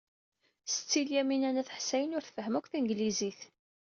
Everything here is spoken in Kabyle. Setti Lyamina n At Ḥsayen ur tfehhem akk tanglizit.